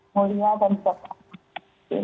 mulia dan sebagainya